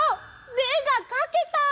「で」がかけた！